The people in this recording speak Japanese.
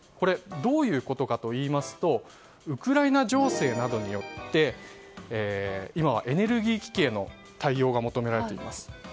どういうことかといいますとウクライナ情勢などによって今はエネルギー危機への対応が求められています。